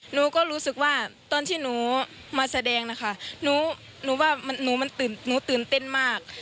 หนูก็รู้สึกว่าตอนที่หนูมาแสดงนะคะหนูว่าหนูตื่นเต้นมาก